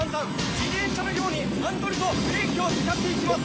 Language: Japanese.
自転車のようにハンドルとブレーキを使っていきます。